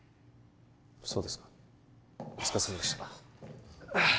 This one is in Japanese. そうですかお疲れさまでした